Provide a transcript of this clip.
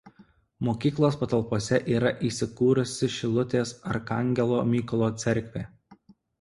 Mokyklos patalpose yra įsikūrusi Šilutės Arkangelo Mykolo cerkvė.